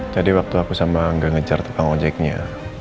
jadi waktu aku sama angga ngejar tukang ojeknya